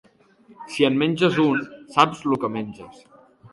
Si en menges un saps lo que menges.